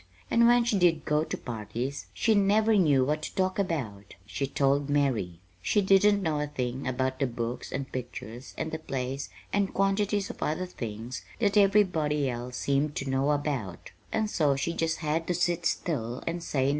And when she did go to parties, she never knew what to talk about, she told Mary. She didn't know a thing about the books and pictures and the plays and quantities of other things that everybody else seemed to know about; and so she just had to sit still and say nothin'.